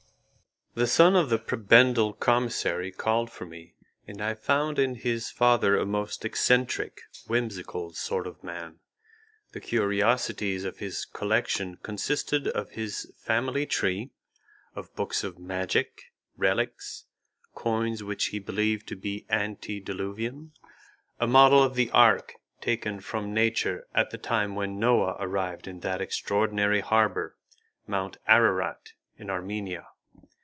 The son of the prebendal commissary called for me, and I found in his father a most eccentric, whimsical sort of man. The curiosities of his collection consisted of his family tree, of books of magic, relics, coins which he believed to be antediluvian, a model of the ark taken from nature at the time when Noah arrived in that extraordinary harbour, Mount Ararat, in Armenia.